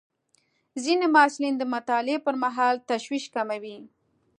ځینې محصلین د مطالعې پر مهال تشویش کموي.